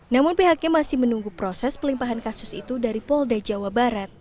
namun pihaknya masih menunggu proses pelimpahan kasus itu dari poldejabar